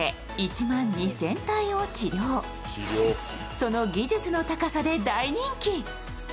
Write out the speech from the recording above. その技術の高さで大人気。